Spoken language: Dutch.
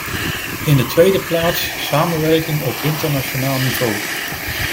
In de tweede plaats: samenwerking op internationaal niveau.